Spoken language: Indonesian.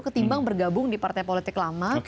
ketimbang bergabung di partai politik lama